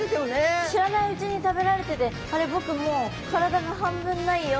知らないうちに食べられてて「あれ僕もう体が半分ないよ」みたいな。